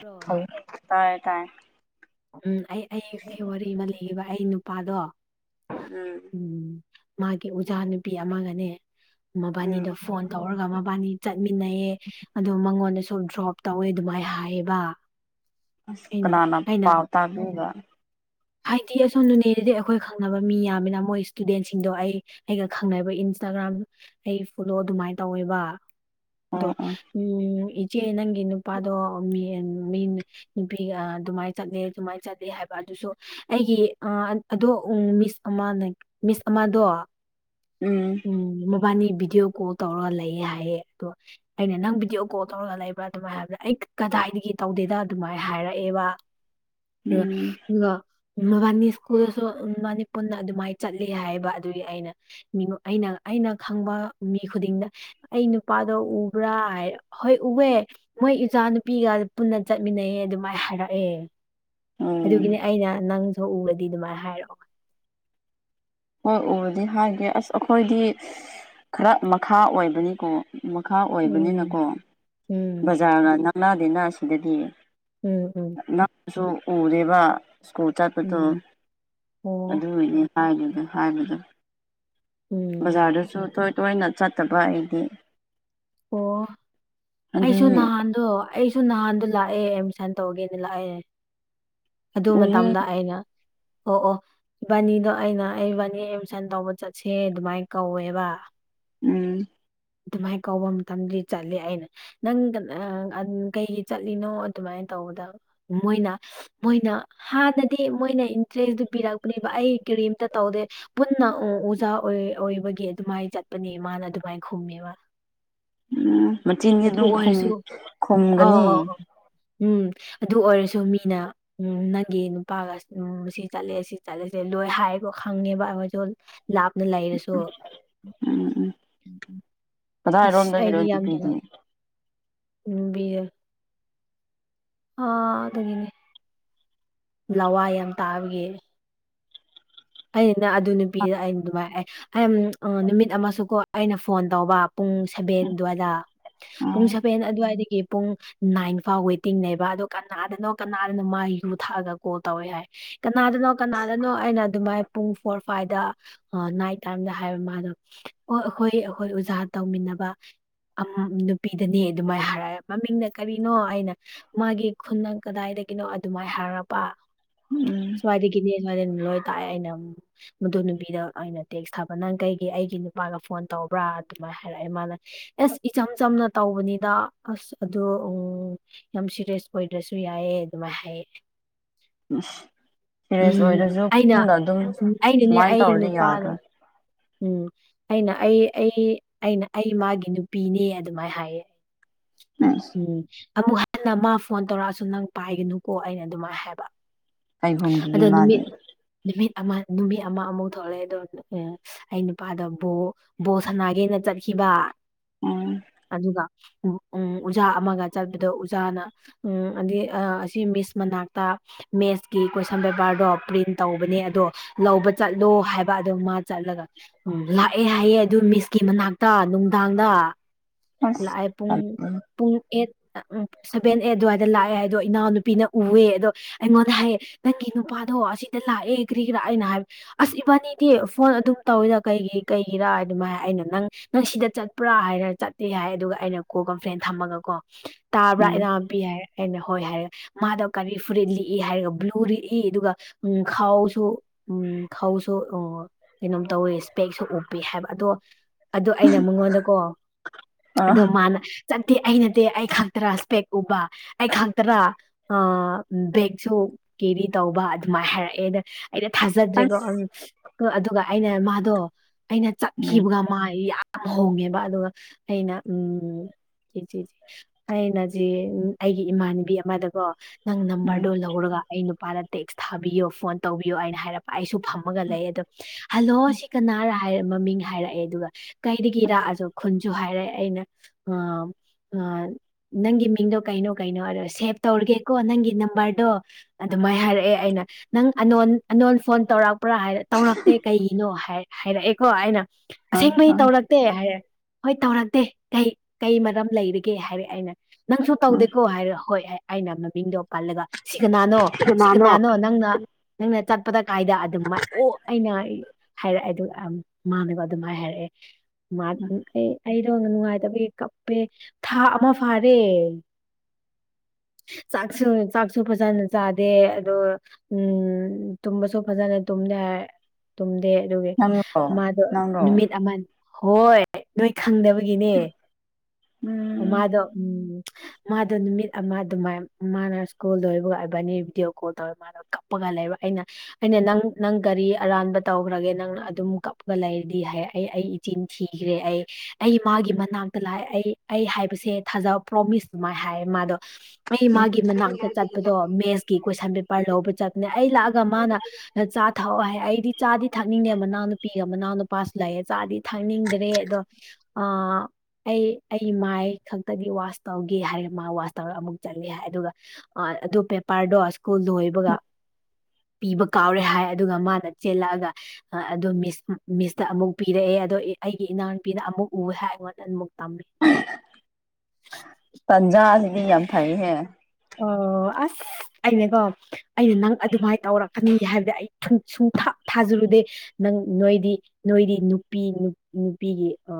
Bro ꯈꯪ ꯇꯥꯏꯌꯦ ꯇꯥꯏꯌꯦ ꯎꯝ ꯑꯩ ꯑꯩ ꯑꯩ ꯋꯥꯔꯤ ꯑꯃ ꯂꯤꯒꯦꯕ ꯑꯩ ꯅꯨꯄꯥꯗꯣ ꯎꯝ ꯎꯝ ꯃꯥꯒꯤ ꯑꯣꯖꯥ ꯅꯨꯄꯤ ꯑꯃꯒꯅꯦ ꯃꯕꯥꯅꯤꯗꯣ ꯎꯝ ꯐꯣꯟ ꯇꯧꯔꯒ ꯃꯕꯥꯅꯤ ꯆꯠꯃꯤꯟꯅꯩꯌꯦ ꯑꯗꯣ ꯃꯉꯣꯟꯗꯁꯨ ꯗ꯭ꯔꯣꯞ ꯇꯧꯋꯦ ꯑꯗꯨꯃꯥꯏ ꯍꯥꯏꯌꯦꯕ ꯑꯁ ꯑꯩꯅ ꯀꯅꯥꯅ ꯑꯩꯅ ꯄꯥꯎ ꯇꯥꯕꯤꯕ ꯍꯥꯏꯗꯤ ꯑꯁꯣꯝ ꯅꯣꯅꯦꯗꯗꯤ ꯑꯩꯈꯣꯏ ꯈꯪꯅꯕ ꯃꯤ ꯌꯥꯝꯃꯤꯅ ꯃꯣꯏ ꯏꯁꯇꯨꯗꯦꯟꯁꯤꯡꯗꯣ ꯑꯩ ꯑꯩꯒ ꯈꯪꯅꯕ ꯏꯟꯁꯇꯥꯒ꯭ꯔꯥꯝ ꯑꯩ ꯐꯣꯂꯣ ꯑꯗꯨꯃꯥꯏ ꯇꯧꯋꯦꯕ ꯑꯗꯣ ꯑꯣ ꯑꯣ ꯎꯝ ꯏꯆꯦ ꯅꯪꯒꯤ ꯅꯨꯄꯥꯗꯣ ꯃꯤ ꯌꯦꯟ ꯃꯤ ꯅꯨꯄꯤꯒ ꯑꯗꯨꯃꯥꯏ ꯆꯠꯂꯦ ꯑꯗꯨꯃꯥꯏ ꯆꯠꯂꯦ ꯍꯥꯏꯕ ꯑꯗꯨꯁꯨ ꯑꯩꯒꯤ ꯑꯥ ꯑꯗꯣ ꯎꯝ ꯃꯤꯁ ꯑꯃꯅ ꯃꯤꯁ ꯑꯃꯗꯣ ꯎꯝ ꯎꯝ ꯃꯕꯥꯅꯤ ꯚꯤꯗꯤꯑꯣ ꯀꯣꯜ ꯇꯧꯔꯒ ꯂꯩꯌꯦ ꯍꯥꯏꯌꯦ ꯑꯗꯣ ꯑꯩꯅ ꯅꯪ ꯚꯤꯗꯤꯑꯣ ꯀꯣꯜ ꯇꯧꯔꯒ ꯂꯩꯕ꯭ꯔꯥ ꯑꯗꯨꯃꯥꯏꯅ ꯍꯥꯏꯕꯗ ꯑꯩ ꯀꯗꯥꯏꯗꯒꯤ ꯇꯧꯗꯦꯗ ꯑꯗꯨꯃꯥꯏꯅ ꯍꯥꯏꯔꯛꯑꯦꯕ ꯍꯍ ꯎꯝ ꯑꯗꯨꯒ ꯃꯕꯥꯅꯤ ꯁ꯭ꯀꯨꯜꯗꯁꯨ ꯃꯕꯥꯅꯤ ꯄꯨꯟꯅ ꯑꯗꯨꯃꯥꯏ ꯆꯠꯂꯤ ꯍꯥꯏꯕ ꯑꯗꯨꯒꯤ ꯑꯩꯅ ꯃꯤꯡ ꯑꯩꯅ ꯑꯩꯅ ꯈꯪꯕ ꯃꯤ ꯈꯨꯗꯤꯡꯗ ꯑꯩ ꯅꯨꯄꯥꯗꯣ ꯎꯕ꯭ꯔꯥ ꯍꯥꯏꯔ ꯍꯣꯏ ꯎꯋꯦ ꯃꯣꯏ ꯏꯖꯥꯅꯨꯨꯄꯤꯒ ꯄꯨꯟꯅ ꯆꯠꯃꯤꯟꯅꯩꯌꯦ ꯑꯗꯨꯃꯥꯏꯅ ꯍꯥꯏꯔꯛꯑꯦ ꯎꯝ ꯑꯗꯨꯒꯤꯅꯦ ꯑꯩꯅ ꯅꯪꯁꯨ ꯎꯔꯗꯤ ꯑꯗꯨꯃꯥꯏ ꯍꯥꯏꯔꯣ ꯍꯣꯏ ꯎꯔꯗꯤ ꯍꯥꯏꯒꯦ ꯑꯁ ꯑꯩꯈꯣꯏꯗꯤ ꯈꯔ ꯃꯈꯥ ꯑꯣꯏꯕꯅꯤꯀꯣ ꯃꯈꯥ ꯎꯝ ꯑꯣꯏꯕꯅꯤꯅꯀꯣ ꯎꯝ ꯕꯖꯥꯔꯒ ꯅꯛꯅꯥꯗꯦꯅ ꯑꯁꯤꯗꯗꯤ ꯎꯝ ꯎꯝ ꯅꯛ ꯄꯁꯨ ꯎꯔꯦꯕ ꯁ꯭ꯀꯨꯜ ꯆꯠꯄꯗꯣ ꯎꯝ ꯑꯣ ꯑꯗꯨꯒꯤꯅꯦ ꯍꯥꯏꯒꯦꯗꯤ ꯍꯥꯏꯕꯗꯣ ꯎꯝ ꯕꯖꯥꯔꯗꯁꯨ ꯇꯣꯏ ꯇꯣꯏꯅ ꯆꯠꯇꯕ ꯑꯩꯗꯤ ꯑꯣ ꯑꯩꯁꯨ ꯑꯗꯨꯒꯤ ꯅꯍꯥꯟꯗꯣ ꯑꯩꯁꯨ ꯅꯍꯥꯟꯗꯣ ꯂꯥꯛꯑꯦ ꯑꯦꯗꯃꯤꯁꯟ ꯇꯧꯒꯦꯅ ꯂꯥꯛꯑꯦ ꯑꯗꯨ ꯎꯋꯦ ꯃꯇꯝꯗ ꯑꯩꯅ ꯑꯣ ꯑꯣ ꯏꯕꯥꯅꯤꯗꯣ ꯑꯩꯅ ꯑꯩ ꯏꯕꯥꯅꯤ ꯑꯦꯠꯃꯤꯁꯟ ꯇꯧꯕ ꯆꯠꯁꯦ ꯗꯨꯃꯥꯏꯅ ꯀꯧꯋꯦꯕ ꯎꯝ ꯑꯗꯨꯃꯥꯏ ꯀꯧꯕ ꯃꯇꯝꯗꯤ ꯆꯠꯂꯦ ꯑꯩꯅ ꯅꯪ ꯀ ꯀꯩꯒꯤ ꯆꯠꯂꯤꯅꯣ ꯑꯗꯨꯃꯥꯏꯅ ꯇꯧꯕꯗ ꯃꯣꯏꯅ ꯃꯣꯏꯅ ꯍꯥꯟꯅꯗꯤ ꯃꯣꯏꯅ ꯏꯟꯇꯔꯦꯁꯗꯨ ꯄꯤꯔꯛꯄꯅꯦꯕ ꯑꯩ ꯀꯔꯤꯝꯇ ꯇꯧꯗꯦ ꯄꯨꯟꯅ ꯑꯣꯖꯥ ꯑꯣꯢ ꯑꯣꯏꯕꯒꯤ ꯑꯗꯨꯃꯥꯏ ꯆꯠꯄꯅꯦ ꯃꯥꯅ ꯑꯗꯨꯃꯥꯏ ꯈꯨꯝꯃꯦꯕ ꯎꯝ ꯃꯆꯤꯟ ꯑꯗꯨ ꯑꯣꯏꯔꯁꯨ ꯑꯥꯎ ꯑꯥꯎ ꯑꯥꯎ ꯎꯝ ꯑꯗꯨ ꯑꯣꯏꯔꯁꯨ ꯃꯤꯅ ꯎꯝ ꯅꯪꯒꯤ ꯅꯨꯄꯥꯒ ꯎꯝ ꯁꯤ ꯆꯠꯂꯦ ꯑꯁꯤ ꯆꯠꯂꯦꯁꯦ ꯂꯣꯏ ꯍꯥꯏꯕ ꯈꯪꯉꯦꯕ ꯑꯃꯩꯇꯣꯟ ꯂꯥꯞꯅ ꯂꯩꯔꯁꯨ ꯎꯝ ꯎꯝ ꯑꯁ ꯀꯗꯥꯏꯔꯣꯝꯗꯒꯤꯔꯣ ꯅꯨꯄꯤꯗꯨꯅ ꯢꯝꯕꯤꯌꯦ ꯑꯥꯗꯒꯤꯅꯦ ꯂꯋꯥꯢ ꯌꯥꯝ ꯇꯥꯕꯒꯤ ꯑꯩꯅ ꯑꯗꯨ ꯅꯨꯄꯤꯗ ꯑꯩꯅ ꯑꯗꯨꯃꯥꯏ ꯑꯦ ꯑꯩꯝ ꯑꯥ ꯅꯨꯃꯤꯠ ꯑꯃꯁꯨꯀꯣ ꯑꯩꯅ ꯐꯣꯟ ꯇꯧꯕ ꯄꯨꯡ ꯁꯦꯕꯦꯟ ꯗꯨꯋꯥꯏꯗ ꯄꯨꯡ ꯎꯝ ꯁꯥꯕꯦꯟ ꯑꯗꯨꯋꯥꯏꯗꯒꯤ ꯄꯨꯡ ꯅꯥꯏꯟ ꯐꯥꯎ ꯋꯦꯇꯤꯡꯅꯦꯕ ꯑꯗꯣ ꯀꯅꯥꯗꯅꯣ ꯀꯅꯥꯗꯅ ꯃꯥꯒꯤ ꯌꯨ ꯊꯛꯑꯒ ꯀꯣꯜ ꯇꯧꯋꯦ ꯍꯥꯏ ꯀꯅꯥꯗꯅꯣ ꯀꯅꯥꯗꯅꯣ ꯑꯩꯅ ꯑꯗꯨꯃꯥꯏ ꯄꯨꯡ ꯐꯣꯔ ꯐꯥꯏꯗ ꯑꯥ ꯅꯥꯏꯠ ꯇꯥꯏꯝꯗ ꯍꯥꯏꯕ ꯃꯥꯗꯣ ꯑꯣ ꯑꯩꯍꯣꯢ ꯑꯩꯍꯣꯏ ꯑꯣꯖꯥ ꯇꯧꯃꯤꯟꯅꯕ ꯑꯝ ꯅꯨꯄꯤꯗꯅꯦ ꯑꯗꯨꯃꯥꯏ ꯍꯥꯏꯔꯦ ꯃꯃꯤꯡꯅ ꯀꯔꯤꯅꯣ ꯑꯩꯅ ꯃꯥꯒꯤ ꯈꯨꯟꯅꯪ ꯀꯗꯥꯏꯗꯒꯤꯅꯣ ꯑꯗꯨꯃꯥꯏ ꯍꯥꯏꯔꯥꯄꯥ ꯎꯝ ꯁ꯭ꯋꯥꯏꯗꯒꯤꯗꯤ ꯁꯏꯗ ꯂꯣꯔ ꯇꯥꯛꯑꯦ ꯑꯩꯅ ꯑꯝ ꯃꯗꯨ ꯅꯨꯄꯤꯗ ꯑꯩꯅ ꯇꯦꯛꯁ ꯊꯥꯕ ꯅꯪ ꯀꯩꯒꯤ ꯑꯩꯒꯤ ꯅꯨꯄꯥꯒ ꯐꯣꯟ ꯇꯧꯕ꯭ꯔꯥ ꯑꯗꯨꯃꯥꯏ ꯍꯥꯏꯔꯛꯑꯦ ꯃꯥꯅ ꯑꯦꯁ ꯏꯆꯝ ꯆꯝꯅ ꯇꯧꯕꯅꯤꯗ ꯑꯁ ꯑꯗꯨ ꯎꯝ ꯌꯥꯝ ꯁꯤꯔꯤꯁ ꯑꯣꯏꯗ꯭ꯔꯁꯨ ꯌꯥꯏꯌꯦ ꯑꯗꯨꯃꯥꯏ ꯍꯥꯏꯌꯦ ꯁꯦꯔꯦꯁ ꯑꯣꯏꯔꯖꯨ ꯌꯥ ꯑꯩꯅꯅꯦ ꯑꯩ ꯅꯨꯄꯥꯗ ꯌꯥꯔꯣꯏ ꯎꯝ ꯑꯩꯅ ꯑꯩ ꯑꯩ ꯑꯩꯅ ꯑꯩ ꯃꯥꯒꯤ ꯅꯨꯄꯤꯅꯦ ꯑꯗꯨꯃꯥꯏ ꯍꯥꯏꯌꯦ ꯅꯥꯏꯁ ꯎꯝ ꯑꯃꯨꯛꯅ ꯍꯟꯅ ꯃꯥ ꯐꯣꯟ ꯇꯧꯔꯛꯑꯁꯨ ꯅꯪ ꯄꯥꯏꯒꯅꯨꯀꯣ ꯑꯩꯅ ꯑꯗꯨꯃꯥꯏ ꯍꯥꯏꯕ ꯀꯩꯒꯨꯝꯒꯤꯅꯤ ꯑꯗꯣ ꯃꯥꯗꯤ ꯅꯨꯃꯤꯠ ꯅꯨꯃꯤꯠ ꯑꯃ ꯅꯨꯃꯤꯠ ꯑꯃ ꯑꯃꯨꯛ ꯊꯣꯛꯂꯛꯑꯦ ꯑꯗꯣ ꯑꯩ ꯅꯨꯄꯥꯗ ꯕꯣ ꯕꯣꯜ ꯁꯥꯟꯅꯥꯒꯦꯅ ꯆꯠꯈꯤꯕ ꯎꯝ ꯑꯗꯨꯒ ꯎ ꯎꯝ ꯑꯣꯖꯥ ꯑꯃꯒ ꯆꯠꯄꯗ ꯎꯖꯥꯅ ꯎꯝ ꯑꯗꯩ ꯑꯥ ꯑꯁꯤ ꯃꯤꯁ ꯃꯅꯥꯛꯇ ꯃꯦꯁꯀꯤ ꯀꯣꯏꯁꯟ ꯄꯦꯄꯔꯗꯣ ꯄ꯭ꯔꯤꯟ ꯇꯧꯕꯅꯦ ꯑꯗꯣ ꯂꯧꯕ ꯆꯠꯂꯣ ꯍꯥꯏꯕ ꯑꯗꯣ ꯃꯥ ꯆꯠꯂꯒ ꯎꯝ ꯂꯥꯛꯑꯦ ꯍꯥꯏꯌꯦ ꯑꯗꯨ ꯃꯤꯁꯀꯤ ꯃꯅꯥꯛꯇ ꯅꯨꯡꯗꯥꯡꯗ ꯑꯁ ꯂꯥꯛꯑꯦ ꯄꯨꯡ ꯇꯜꯂꯦ ꯄꯨꯡ ꯑꯦꯠ ꯎꯝ ꯁꯚꯦꯟ ꯑꯦꯠ ꯑꯗꯨꯋꯥꯏꯗ ꯂꯥꯛꯑꯦ ꯍꯥꯏꯗꯣ ꯏꯅꯥꯎꯅꯨꯄꯤꯅ ꯎꯋ‌ꯦ ꯑꯗꯣ ꯑꯩꯉꯣꯟꯗ ꯍꯥꯏꯌꯦ ꯅꯪꯒꯤ ꯅꯨꯄꯥꯗꯣ ꯑꯁꯤꯗ ꯂꯥꯛꯑꯦ ꯀ꯭ꯔꯤꯒꯤꯔꯥ ꯑꯩꯅ ꯍꯥꯏꯕ ꯑꯁ ꯏꯕꯥꯅꯤꯗꯤ ꯐꯣꯟ ꯑꯗꯨꯝ ꯇꯧꯋ‌ꯦꯗ ꯀꯩꯒꯤ ꯀꯩꯒꯤꯔꯥ ꯑꯗꯨꯃꯥꯏꯅ ꯑꯩꯅ ꯅꯪ ꯅꯪ ꯁꯤꯗ ꯆꯠꯄ꯭ꯔꯥ ꯍꯥꯏꯔ ꯆꯠꯇꯦ ꯍꯥꯏ ꯑꯗꯨꯒ ꯑꯩꯅ ꯀꯣ ꯀꯝꯄ꯭ꯂꯦꯟ ꯊꯝꯃꯒꯀꯣ ꯇꯥꯕ꯭ꯔꯥ ꯎꯝ ꯑꯩꯅ ꯄꯤ ꯍꯥꯏꯔ ꯑꯩꯅ ꯍꯣꯏ ꯍꯥꯏꯔꯦ ꯃꯥꯗ‌ꯦ ꯀꯔꯤ ꯐꯨꯔꯤꯠ ꯂꯤꯛꯏ ꯍꯥꯏꯔꯒ ꯕ꯭ꯂꯨ ꯂꯤꯛꯏ ꯑꯗꯨꯒ ꯎꯝ ꯈꯥꯎꯁꯨ ꯎꯝ ꯈꯧꯁꯨ ꯑꯣ ꯀꯩꯅꯣꯝ ꯇꯧꯋꯤ ꯏꯁꯄꯦꯛꯁꯨ ꯎꯞꯄꯤ ꯍꯥꯏꯕ ꯑꯗꯣ ꯑꯗꯨ ꯑꯩꯅ ꯃꯉꯣꯟꯗꯀꯣ ꯑ ꯑꯗꯣ ꯃꯥꯅ ꯆꯠꯇꯦ ꯑꯩ ꯅꯠꯇꯦ ꯑꯩ ꯈꯛꯇꯔꯥ ꯢꯁꯄꯦꯛ ꯎꯞꯕ ꯑꯩ ꯈꯛꯇꯔꯥ ꯑꯥ ꯕꯦꯛꯁꯨ ꯀꯦꯔꯤ ꯇꯧꯕ ꯑꯗꯨꯃꯥꯏ ꯍꯥꯏꯔꯛꯑꯦꯗ ꯑꯩꯅ ꯊꯥꯖꯗ꯭ꯔꯦꯀꯣ ꯑꯁ ꯑꯥ ꯑꯗꯨꯒ ꯑꯩꯅ ꯃꯥꯗꯣ ꯑꯩꯅ ꯎꯝ ꯆꯠꯈꯤꯕꯒ ꯃꯥꯥꯏ ꯌꯥꯝ ꯍꯣꯡꯉꯦꯕ ꯑꯗꯨꯒ ꯑꯩꯅ ꯎꯝ ꯆꯦꯆꯦꯖ ꯑꯩꯅꯖꯤ ꯑꯩꯒꯤ ꯏꯃꯥꯟꯅꯕꯤ ꯑꯃꯗꯀꯣ ꯅꯪ ꯎꯝ ꯅꯝꯕꯔꯗꯣ ꯂꯧꯔꯒ ꯑꯩ ꯅꯨꯄꯥꯗ ꯇꯦꯛꯁ ꯊꯥꯕꯤꯌꯣ ꯐꯣꯟ ꯇꯧꯕꯤꯌꯣ ꯑꯩꯅ ꯍꯥꯏꯔꯛꯄ ꯑꯩꯁꯨ ꯐꯝꯃꯒ ꯂꯩꯌ‌ꯦ ꯗꯨꯝ ꯍꯜꯂꯣ ꯁꯤ ꯀꯅꯥꯔ ꯍꯥꯏꯔꯛ ꯃꯃꯤꯡ ꯍꯥꯏꯔꯛꯑꯦ ꯑꯗꯨꯒ ꯀꯩꯗꯒꯤꯔꯥ ꯑꯁꯨ ꯈꯨꯟ ꯁꯨ ꯍꯥꯏꯔꯛꯑꯦ ꯑꯩꯅ ꯉꯥꯝ ꯉꯥꯟ ꯅꯪꯒꯤ ꯃꯤꯡꯗꯣ ꯀꯩꯅꯣ ꯀꯩꯅꯣ ꯍꯥꯏꯔ ꯁꯦꯞ ꯇꯧꯔꯒꯦꯀꯣ ꯅꯪꯒꯤ ꯅꯝꯕꯔꯗꯣ ꯑꯗꯨꯃꯥꯏꯅ ꯍꯥꯏꯔꯛꯑꯦ ꯑꯩꯅ ꯅꯪ ꯑꯅꯣꯟ ꯑꯅꯣꯟ ꯐꯣꯟ ꯇꯧꯔꯛꯄ꯭ꯔꯥ ꯍꯥꯏꯔ ꯇꯧꯔꯛꯇꯦ ꯀꯩꯒꯤꯅꯣ ꯍꯥꯏ ꯍꯥꯏꯔꯛꯑꯦꯀꯣ ꯑꯩꯅ ꯑ ꯑꯁꯦꯡꯕꯩ ꯑ ꯇꯧꯔꯛꯇꯦ ꯍꯥꯏꯔ‍ꯦ ꯍꯣꯏ ꯇꯧꯔꯛꯇꯦ ꯀꯩ ꯀꯩ ꯃꯔꯝ ꯂꯩꯔꯤꯒꯦ ꯍꯥꯏꯔꯦ ꯑꯩꯅ ꯅꯪꯁꯨ ꯎꯝ ꯇꯧꯗꯦꯀꯣ ꯍꯥꯏꯔ ꯍꯣꯏ ꯑꯩꯅ ꯃꯃꯤꯡꯗꯣ ꯄꯜꯂꯒ ꯁꯤ ꯀꯅꯥꯅꯣ ꯁꯤ ꯀꯅꯥꯅꯣ ꯅꯪꯅ ꯅꯪꯅ ꯆꯠꯄꯗ ꯀꯥꯏꯗ ꯑꯗꯨꯝ ꯑꯣ ꯑꯩꯅ ꯍꯥꯏꯔꯛꯑꯦ ꯑꯗꯨꯒ ꯃꯥꯅꯒ ꯑꯗꯨꯃꯥꯏꯅ ꯍꯥꯏꯔꯛꯑꯦ ꯃꯥ ꯑꯩꯗꯣ ꯅꯨꯡꯉꯥꯏꯇꯕꯒꯤ ꯀꯞꯄꯦ ꯊꯥ ꯑꯃ ꯐꯥꯔꯦ ꯆꯥꯛꯁꯨ ꯆꯥꯛꯁꯨ ꯐꯖꯅ ꯆꯥꯗꯦ ꯑꯗꯣ ꯎꯝ ꯇꯨꯝꯕꯁꯨ ꯐꯖꯅ ꯇꯨꯝꯗꯦ ꯍꯥꯏ ꯇꯨꯝꯗꯦ ꯑꯗꯨꯒꯤ ꯅꯪꯔꯣ ꯃꯥꯗꯣ ꯅꯪꯔꯣ ꯅꯨꯃꯤꯠ ꯑꯃ ꯍꯣꯏ ꯅꯣꯏ ꯈꯪꯗꯕꯒꯤꯅꯦ ꯎꯝ ꯃꯥꯗꯣ ꯎꯝ ꯃꯥꯗꯣ ꯅꯨꯃꯤꯠ ꯑꯃ ꯑꯗꯨꯃꯥꯏ ꯃꯥꯅ ꯁ꯭ꯀꯨꯜ ꯂꯣꯏꯕ ꯑꯣꯏꯕꯅꯤ ꯚꯤꯗꯤꯑꯣ ꯀꯣꯜ ꯇꯧꯔ ꯃꯥ ꯀꯞꯄꯒ ꯂꯩꯕ ꯑꯩꯅ ꯑꯩꯅ ꯅꯪ ꯅꯪ ꯀꯔꯤ ꯑꯔꯥꯟꯕ ꯇꯧꯈ꯭ꯔꯒꯦ ꯅꯪꯅ ꯑꯗꯨꯝ ꯀꯞꯒ ꯂꯩꯔꯗꯤ ꯍꯥꯏ ꯑꯩ ꯑꯩ ꯏꯆꯤꯟ ꯊꯤ ꯈ꯭ꯔ‌ꯦ ꯑꯩ ꯑꯩ ꯃꯥꯒꯤ ꯃꯅꯥꯛꯇ ꯂꯥꯛꯑꯦ ꯑꯩ ꯑꯩ ꯍꯥꯏꯕꯁꯦ ꯊꯥꯖꯧ ꯄ꯭ꯔꯣꯃꯤꯁ ꯑꯗꯨꯃꯥꯏ ꯍꯥꯏ ꯃꯥꯗꯣ ꯑꯩ ꯎꯝ ꯃꯥꯒꯤ ꯃꯅꯥꯛꯇ ꯆꯠꯄꯗꯣ ꯃꯦꯠꯁꯀꯤ ꯀꯣꯏꯁꯟ ꯄꯦꯄꯔ ꯂꯧꯕ ꯆꯠꯄꯅꯦ ꯑꯩ ꯂꯥꯛꯑꯒ ꯃꯥꯅ ꯆꯥ ꯊꯥꯛꯑꯣ ꯍꯥꯏ ꯑꯩꯗꯤ ꯆꯥꯗꯤ ꯊꯛꯅꯤꯡꯗꯦ ꯃꯅꯥꯎ ꯅꯨꯄꯤꯒ ꯃꯅꯥꯎ ꯅꯨꯄꯥꯁꯨ ꯂꯩꯑꯦ ꯆꯥꯗꯤ ꯊꯛꯅꯤꯡꯗ‌ꯦ ꯔ‌‌ꯦ ꯑꯗꯣ ꯑꯥ ꯑꯩ ꯑꯩ ꯃꯥꯏ ꯈꯛꯇꯒꯤ ꯋꯥꯁ ꯇꯧꯒꯦ ꯍꯥꯏꯔ ꯃꯥ ꯋꯥꯁ ꯇꯧꯔ ꯑꯃꯨꯛ ꯆꯠꯂꯦ ꯍꯥꯏ ꯑꯗꯨꯒ ꯑ ꯑꯗꯨ ꯄꯦꯄꯔꯗꯣ ꯁ꯭ꯀꯨꯜ ꯂꯣꯏꯕꯒ ꯄꯤꯕ ꯀꯥꯎꯔꯦ ꯍꯥꯏ ꯑꯗꯨꯒ ꯃꯥꯅ ꯆꯦꯜꯂꯛꯑꯒ ꯑꯗꯣ ꯃꯤꯁ ꯃꯤꯁꯇ ꯑꯃꯨꯛ ꯄꯤꯔꯛꯑꯦ ꯑꯗꯣ ꯑꯩꯒꯤ ꯏꯅꯥꯎꯅꯨꯄꯤꯅ ꯑꯃꯨꯛ ꯎꯋꯦ ꯍꯥꯏ ꯑꯩꯉꯣꯟꯗ ꯑꯃꯨꯛ ꯇꯝꯃꯦ ꯇꯟꯖꯥꯥꯁꯤꯗꯤ ꯌꯥꯝ ꯐꯩꯍꯦ ꯑꯣ ꯑꯁ ꯑꯩꯅꯀꯣ ꯑꯩꯅ ꯅꯪ ꯑꯗꯨꯃꯥꯏꯅ ꯇꯧꯔꯛꯀꯅꯤ ꯍꯥꯏꯕꯗꯤ ꯑꯩ ꯁ ꯁꯨꯡꯊꯥ ꯊꯥꯖꯔꯨꯗꯦ ꯅꯪ ꯅꯣꯏꯗꯤ ꯅꯣꯏꯗꯤ ꯅꯨꯄꯤ ꯅꯨꯄꯤꯒꯤ ꯑ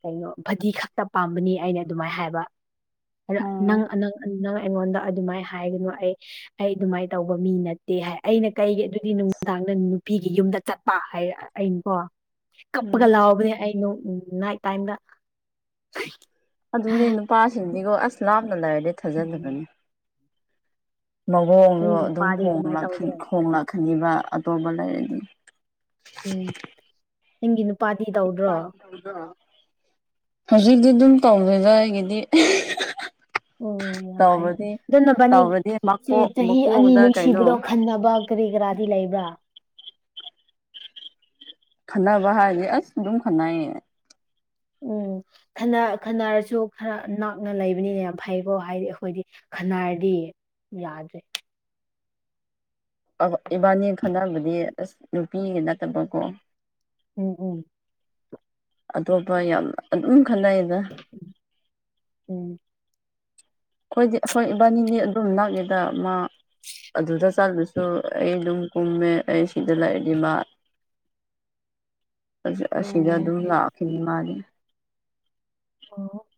ꯀꯩꯅꯣ ꯕꯗꯤ ꯈꯛꯇ ꯄꯥꯝꯕꯅꯤ ꯑꯩꯅ ꯑꯗꯨꯃꯥꯏꯅ ꯍꯥꯏꯕ ꯑꯗ ꯎꯝ ꯅꯪ ꯅꯪ ꯑꯩꯉꯣꯟꯗ ꯑꯗꯨꯃꯥꯏꯅ ꯍꯥꯏꯒꯅꯨ ꯑꯩ ꯑꯩ ꯑꯗꯨꯃꯥꯏꯅ ꯇꯧꯕ ꯃꯤ ꯅꯠ ꯇ‌ꯦ ꯍꯥꯏ ꯑꯩꯅ ꯀꯩꯒꯤ ꯑꯗꯨꯗꯤ ꯅꯨꯡꯗꯥꯡꯗ ꯅꯨꯄꯤꯒꯤ ꯌꯨꯝꯗ ꯆꯠꯄ ꯍꯥꯏ ꯑꯩꯅꯀꯣ ꯎꯝ ꯀꯞꯄꯒ ꯂꯥꯎꯕꯅꯦ ꯑꯩ ꯅ‌‌ꯣ ꯅꯥꯏꯠ ꯇꯥꯏꯝꯗ ꯑꯗꯨꯅꯤ ꯅꯨꯄꯥꯁꯤꯡꯗꯤꯒꯣ ꯑꯁ ꯂꯥꯞꯅ ꯂꯩꯔꯗꯤ ꯎꯝ ꯊꯥꯖꯗꯕꯅꯤ ꯃꯑꯣꯡꯗꯣ ꯅꯪ ꯑꯗꯨꯝ ꯅꯨꯄꯥꯗꯤ ꯑꯗꯨꯃꯥꯏꯅ ꯍꯣꯡꯂꯛꯈꯤ ꯇꯧꯗ꯭ꯔꯣ ꯍ‌ꯣꯡꯂꯥꯛꯈꯅꯤꯕ ꯑꯇꯣꯞꯄ ꯂꯩꯔꯗꯤ ꯎꯝ ꯅꯪꯒꯤ ꯅꯨꯄꯥꯗꯤ ꯇꯧꯗ꯭ꯔꯣ [inaudible] ꯍꯧꯖꯤꯛꯇꯤ ꯑꯗꯨꯝ ꯇꯧꯗꯗ ꯑꯩꯒꯤꯗꯤ ꯑꯣ ꯌꯥꯝ ꯐꯩ ꯇꯧꯕꯗꯤ ꯑꯗꯨꯅ ꯕꯥꯅꯤ ꯇꯧꯔꯗꯤ ꯃꯀꯣꯛ ꯆꯍꯤ ꯑꯅꯤ ꯃꯀꯣꯛꯗ ꯀꯩꯅꯣ ꯅꯨꯡꯁꯤꯕꯗꯣ ꯈꯟꯅꯕ ꯀꯔꯤ ꯀꯔꯥꯗꯤ ꯂꯩꯕ꯭ꯔꯥ ꯈꯠꯅꯕ ꯍꯥꯏꯔꯗꯤ ꯑꯁ ꯑꯗꯨꯝ ꯈꯅꯩꯌꯦ ꯎꯝ ꯈꯟꯅꯔꯁꯨ ꯈꯔ ꯅꯥꯛꯅ ꯂꯩꯕꯅꯤꯅꯦ ꯌꯥꯝ ꯐꯩꯀꯣ ꯍꯥꯏꯗꯤ ꯑꯩꯈꯣꯏꯗꯤ ꯈꯅꯥꯔꯗꯤ ꯌꯥꯗ꯭ꯔꯦ ꯑ ꯏꯕꯥꯅꯤ ꯈꯟꯅꯅꯕꯗꯤ ꯑꯁ ꯅꯨꯄꯤꯒꯤ ꯅꯠꯇꯕꯀꯣ ꯎꯝ ꯎꯝ ꯑꯇꯣꯞꯄ ꯌꯥꯝꯅ ꯑꯗꯨꯝ ꯈꯅꯩꯗ ꯎꯝ ꯑꯩꯈꯣꯏꯗꯤ ꯍꯣꯏ ꯏꯕꯥꯅꯤꯗꯤ ꯑꯗꯨꯝ ꯅꯛꯑꯦꯗ ꯃꯥ ꯑꯗꯨꯗ ꯆꯠꯂꯨꯁꯨ ꯑꯩ ꯑꯗꯨꯝ ꯀꯨꯝꯃꯦ ꯑꯩ ꯁꯤꯗ ꯂꯥꯛꯑꯗꯤ ꯃꯥ ꯑꯁꯤꯁꯤꯗ ꯎꯝ ꯑꯗꯨ ꯂꯥꯛꯈꯤꯅꯤ ꯃꯥꯔ ꯑꯣ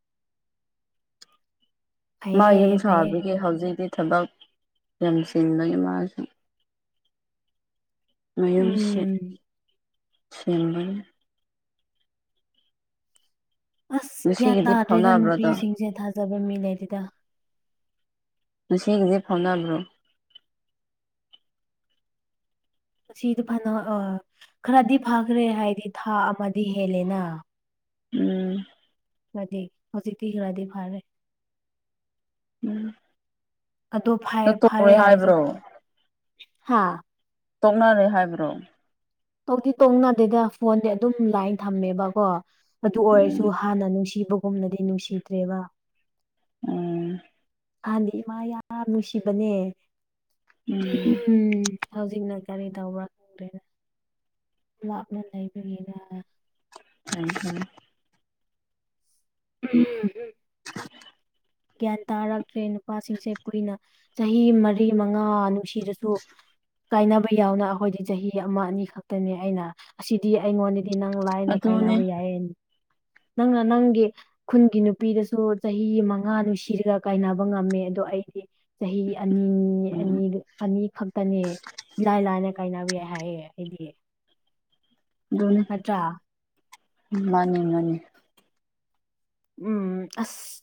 ꯃꯥ ꯌꯨꯝ ꯐꯩꯌꯦ ꯐꯩꯌꯦ ꯁꯥꯕꯒꯤ ꯍꯧꯖꯤꯛꯇꯤ ꯊꯕꯛ ꯌꯥꯝꯁꯤꯟꯕꯒꯤ ꯃꯥꯁꯤꯡ ꯃꯌꯨꯝꯁꯤꯠ ꯎꯝ ꯁꯦꯝꯕꯜ ꯑꯁ ꯒ꯭ꯌꯥꯟ ꯉꯁꯤꯒꯤꯗꯤ ꯇꯥꯗ꯭ꯔꯦꯗ ꯐꯥꯎꯅꯕ꯭ꯔꯥꯗꯣ ꯅꯨꯄꯤꯁꯤꯡꯁꯦ ꯊꯥꯖꯕ ꯃꯤ ꯂꯩꯔꯤꯗ ꯉꯁꯤꯒꯤꯁꯦ ꯐꯥꯎꯅꯕ꯭ꯔꯣ ꯑꯁꯤꯗꯤ ꯐꯅ ꯑ ꯈꯔꯗꯤ ꯐꯈ꯭ꯔꯦ ꯍꯥꯏꯗꯤ ꯊꯥ ꯑꯃꯗꯤ ꯍꯦꯜꯂꯦꯅ ꯎꯝ꯫ ꯑꯗꯦ ꯍꯧꯖꯤ ꯊꯤꯒ꯭ꯔꯗꯤ ꯐꯥꯔꯦ ꯎꯝ ꯑ ꯇꯣ ꯐ ꯅꯪ ꯐꯔꯦ ꯇꯣꯛꯔꯣꯏ ꯍꯥꯏꯁꯨꯣ ꯍꯥꯏꯕ꯭ꯔꯣ ꯍꯥꯥ ꯇꯣꯛꯅꯔꯦ ꯍꯥꯏꯕ꯭ꯔꯣ ꯇꯧꯇꯤ ꯇꯣꯡꯅꯗꯦꯗ ꯐꯣꯟꯗꯤ ꯑꯗꯨꯝ ꯂꯥꯏꯟ ꯊꯝꯃꯦꯕꯀꯣ ꯑꯗꯨ ꯑꯣꯏꯔꯁꯨ ꯎꯝ ꯍꯥꯟꯅ ꯅꯨꯡꯁꯤꯕꯒꯨꯝꯅꯗꯤ ꯅꯨꯡꯁꯤꯗ꯭ꯔꯦꯕ ꯎꯝ ꯑꯥꯟꯗꯤ ꯏꯃꯥ ꯌꯥꯝ ꯅꯨꯡꯁꯤꯕꯅꯦ ꯎꯝ ꯎꯝ ꯍꯧꯖꯤꯛꯅ ꯀꯔꯤ ꯇꯧꯕ꯭ꯔꯥ ꯈꯪꯗꯦꯅ ꯂꯥꯞꯅ ꯂꯩꯕꯒꯤꯅ ꯎꯝꯝ [inaudible] ꯒ꯭ꯌꯥꯟ ꯇꯥꯔꯛꯇ꯭ꯔꯦ ꯅꯨꯄꯥꯁꯤꯡꯁꯦ ꯑꯩꯈꯨꯏꯅ ꯆꯍꯤ ꯃꯔꯤ ꯃꯉꯥ ꯅꯨꯡꯁꯤꯠ ꯁꯤꯗꯁꯨ ꯀꯥꯏꯅꯕ ꯌꯥꯎꯅ ꯑꯩꯈꯣꯏꯗꯤ ꯆꯍꯤ ꯑꯃ ꯑꯅꯤ ꯈꯛꯇꯅꯤ ꯑꯩꯅ ꯑꯁꯤꯗꯤ ꯑꯩꯉꯣꯟꯗ ꯗꯤ ꯅꯪ ꯂꯥꯏꯅ ꯑꯗꯨꯅꯦ ꯀꯥꯏꯅꯕ ꯌꯥꯏꯌꯦ ꯅꯪꯅ ꯅꯪꯒꯤ ꯈꯨꯟꯒꯤ ꯅꯨꯄꯤꯗꯁꯨ ꯆꯍꯤ ꯃꯉꯥ ꯅꯨꯡꯁꯤꯔꯒ ꯀꯥꯏꯅꯕ ꯉꯝꯃꯦ ꯑꯗꯣ ꯑꯩꯗꯤ ꯆꯍꯤ ꯑꯅꯤ ꯎꯝ ꯑꯅꯤ ꯑꯅꯤ ꯈꯛꯇꯅꯦ ꯏꯂꯥꯏ ꯂꯥꯏꯅ ꯀꯥꯏꯅꯕ ꯌꯥꯏ ꯍꯥꯏꯌꯦ ꯑꯩꯗꯤ ꯅꯠꯇ꯭ꯔꯥ ꯅꯤ ꯃꯥꯅꯤ ꯃꯥꯅꯤ ꯎꯝ ꯑꯁ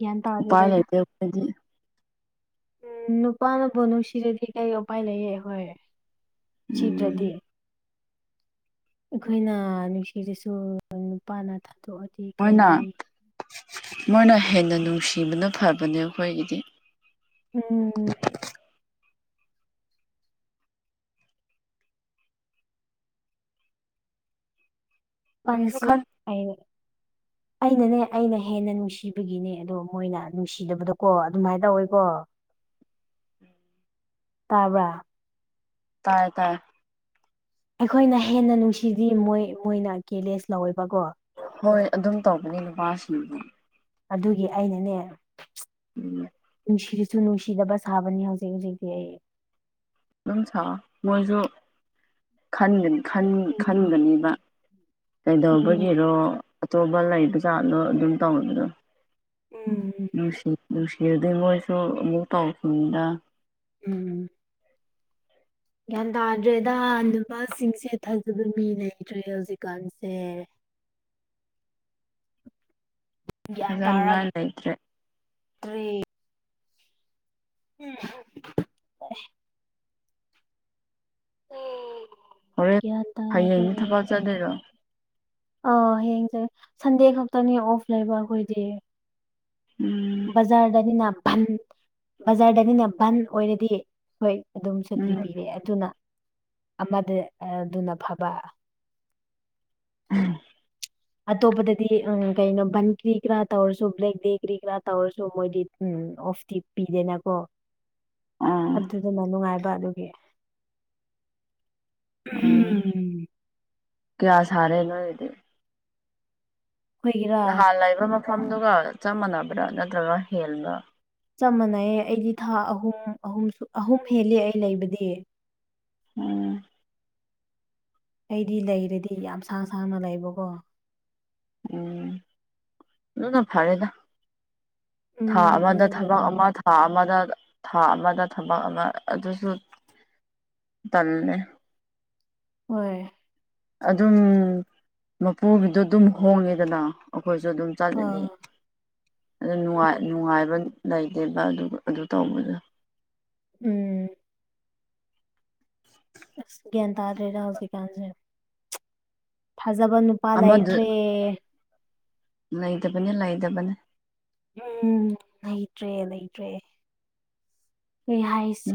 ꯒ꯭ꯌꯥꯟ ꯎ ꯇꯥꯗꯦꯗ ꯄꯥꯏ ꯑꯩꯗ ꯂꯩꯇꯈꯣꯏꯗꯤ ꯎꯝ ꯅꯨꯄꯥꯅꯕꯨ ꯅꯨꯡꯁꯤꯔꯗꯤ ꯀꯩ ꯎꯄꯥꯏ ꯂꯩꯌꯦ ꯍꯣꯏ ꯁꯤꯗ꯭ꯔꯗꯤ ꯎꯝ ꯑꯩꯈꯣꯏꯅ ꯅꯨꯡꯁꯤꯔꯁꯨ ꯅꯨꯄꯥꯅ ꯊꯥꯗꯣꯛꯑꯗꯤ ꯃꯣꯏꯅ ꯀꯩ ꯃꯣꯏꯅ ꯍꯦꯟꯅ ꯅꯨꯡꯁꯤꯕꯅ ꯐꯕꯅꯦ ꯑꯩꯈꯣꯏꯒꯤꯗꯤ ꯎꯝ ꯀꯔꯤꯁꯨ ꯄꯟꯁꯨ ꯈꯟ [unintelligible] ꯑꯩꯅꯅꯦ ꯑꯩꯅ ꯍꯦꯟꯅ ꯅꯨꯡꯁꯤꯕꯒꯤꯅꯦ ꯑꯗꯣ ꯃꯣꯏꯅ ꯅꯨꯡꯁꯤꯗꯕꯗꯀꯣ ꯑꯗꯨꯃꯥꯏꯅ ꯇꯧꯋꯦꯀꯣ ꯇꯥꯕ꯭ꯔꯥ ꯇꯥꯏꯌꯦ ꯇꯥꯏꯌꯦ ꯑꯩꯈꯣꯏꯅ ꯍꯦꯟꯅ ꯅꯨꯡꯁꯤꯗꯤ ꯃꯣꯏ ꯃꯣꯏꯅ ꯒꯦꯂꯦꯁ ꯂꯧꯋꯦꯕꯀꯣ ꯍꯣꯏ ꯑꯗꯨꯝ ꯇꯧꯕꯅꯦ ꯂꯨꯄꯥꯁꯤꯡꯅꯗꯤ ꯑꯗꯨꯒꯤ ꯑꯩꯅꯅꯦ ꯎꯝ ꯅꯨꯡꯁꯤꯔꯁꯨ ꯅꯨꯡꯁꯤꯗꯕ ꯁꯥꯕꯅꯤ ꯍꯧꯖꯤꯛ ꯍꯧꯖꯤꯛꯇꯤ ꯑꯩ ꯑꯗꯨꯝ ꯁꯥ ꯃꯣꯏꯁꯨꯅꯤ ꯎꯝ ꯈꯟꯒꯅꯦꯕ ꯎꯝ ꯀꯩꯗꯧꯕꯒꯤꯔꯣ ꯑꯆꯧꯕ ꯂꯩꯕ ꯖꯥꯠꯂꯣ ꯑꯗꯨꯝ ꯇꯧꯕꯗꯣ ꯎꯝ ꯅꯨꯡꯁꯤ ꯅꯨꯡꯁꯤꯔꯗꯩ ꯃꯣꯏꯁꯨ ꯑꯃꯨꯛ ꯇꯧꯈꯤꯕꯅꯤꯗ ꯎꯝ ꯒ꯭ꯌꯥꯟ ꯇꯥꯗ꯭ꯔꯦꯗ ꯅꯨꯄꯥꯁꯤꯡꯁꯦ ꯊꯖꯕ ꯃꯤ ꯂꯩꯇ꯭ꯔꯦ ꯍꯧꯖꯤꯛꯀꯥꯟꯁꯦ ꯐꯖꯅꯤꯡꯉꯥꯏ ꯂꯩꯇ꯭ꯔꯦ ꯇꯔꯤ ꯎꯝ ꯑꯣ ꯍꯣꯔꯦꯟ ꯍꯌꯦꯡꯗꯤ ꯊꯕꯛ ꯆꯠꯗꯣꯏꯔꯣ ꯑ ꯍꯌꯦꯡꯁ ꯁꯟꯗꯦ ꯈꯛꯇꯅꯤ ꯑꯣꯐ ꯂꯩꯕ ꯑꯩꯈꯣꯏꯗꯤ ꯎꯝ ꯕꯖꯥꯔꯗꯅꯤꯅ ꯕꯟ ꯕꯖꯥꯔꯗꯅꯤꯅ ꯕꯟ ꯑꯣꯏꯔꯗꯤ ꯍꯣꯏ ꯑꯗꯨꯝ ꯁꯨꯇꯤ ꯎꯝ ꯄꯤꯔꯛꯑꯦ ꯑꯗꯨꯅ ꯑꯃꯗ ꯑꯗꯨꯅ ꯐꯕ ꯎꯝ ꯑꯇꯣꯞꯄꯗꯗꯤ ꯎ ꯀꯩꯅꯣ ꯕꯟꯔꯤ ꯀ꯭ꯔꯥ ꯇꯧꯔꯁꯨꯣ ꯕ꯭ꯂꯦꯛ ꯗꯦ ꯀ꯭ꯔꯤ ꯀ꯭ꯔꯥ ꯇꯧꯔꯁꯨꯣ ꯃꯣꯏꯗꯤ ꯎꯝ ꯑꯣꯐꯇꯤ ꯄꯤꯗꯦꯅꯀꯣ ꯑꯥ ꯑꯗꯨꯗꯅ ꯅꯨꯡꯉꯥꯏꯕ ꯑꯗꯨꯒꯤ ꯎꯝ ꯑꯩꯈꯣꯏꯒꯤꯔꯥ ꯀꯌꯥ ꯁꯥꯔꯦ ꯅꯣꯏꯗꯤ ꯅꯍꯥꯟ ꯂꯩꯏꯕ ꯃꯐꯝꯗꯨꯒ ꯆꯞ ꯃꯥꯟꯅꯕꯗꯥ ꯅꯠꯇ꯭ꯔꯒ ꯍꯦꯟꯕ꯭ꯔ ꯆꯞ ꯃꯥꯟꯅꯩꯌꯦ ꯑꯩꯗꯤ ꯊꯥ ꯑꯍꯨꯝ ꯑꯍꯨꯝ ꯑꯍꯨꯝ ꯍꯦꯜꯂꯤ ꯑꯩ ꯂꯩꯕꯗꯤ ꯎꯝ ꯑꯩꯗꯤ ꯂꯩꯔꯗꯤ ꯌꯥꯝ ꯁꯥꯡ ꯁꯥꯡꯅ ꯂꯩꯕꯀꯣ ꯎꯝ ꯑꯗꯨꯅ ꯐꯔꯦꯗ ꯎꯝ ꯊꯥ ꯑꯃꯗ ꯑꯗꯨ ꯊꯕꯛ ꯂꯩ ꯑꯃ ꯊꯥ ꯑꯃꯗ ꯊꯥ ꯑꯃꯗ ꯊꯕꯛ ꯑꯃ ꯑꯗꯨꯁꯨ ꯇꯜꯕꯅꯦ ꯍꯣꯏ ꯑꯗꯨꯝ ꯃꯄꯨꯒꯤꯗꯣ ꯑꯗꯨꯝ ꯍꯣꯡꯉꯦꯗꯅ ꯑꯩꯈꯣꯏꯁꯨ ꯑꯗꯨꯝ ꯆꯠꯂꯅꯤ ꯑꯥ ꯑꯗꯨ ꯎꯝ ꯅꯨꯡꯉꯥꯏꯕ ꯂꯩꯇꯦꯕ ꯑꯗꯨ ꯇꯧꯕꯗꯣ ꯎꯝ ꯑꯁ ꯒ꯭ꯌꯥꯟ ꯇꯥꯗ꯭ꯔꯦꯗ ꯍꯧꯖꯤꯛꯀꯥꯟꯁꯦ ꯊꯥꯖꯕ ꯅꯨ ꯑꯃꯗꯨ ꯂꯩꯇꯕꯅꯤ ꯂꯩꯗꯕꯅꯤ ꯎꯝ ꯂꯩꯇ꯭ꯔꯦ ꯂꯩꯇ꯭ꯔꯦ ꯍꯥꯏꯁꯦ